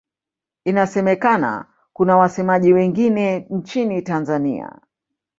Inasemekana kuna wasemaji wengine nchini Tanzania.